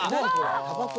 「たばこ」